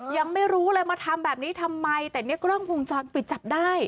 ยังไม่รู้เลยมาทำแบบนี้ทำไมแต่เนี่ยกล้องวงจรปิดจับได้